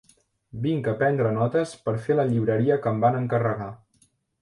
Vinc a prendre notes per fer la llibreria que van encarregar.